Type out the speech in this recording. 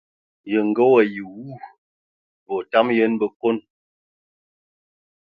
Ye ngə wayi wu, və otam yən bəkon.